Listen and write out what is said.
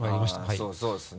そうですね